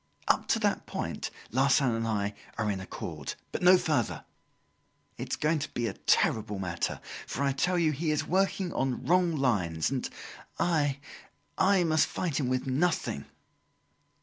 Up to that point, Larsan and I are in accord; but no further. It is going to be a terrible matter; for I tell you he is working on wrong lines, and I I, must fight him with nothing!"